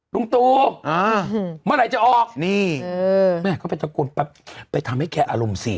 ลุงตูเมื่อไหร่จะออกแม่ก็ไปตะกรวนแป๊บไปทำให้แค่อารมณ์สี